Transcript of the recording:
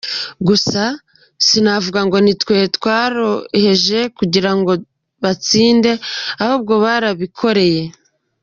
Gusa sinavuga ngo nitwe tworoheje kugira ngo batsinde ahubwo barabikoreye.